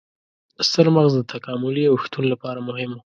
ستر مغز د تکاملي اوښتون لپاره مهم و.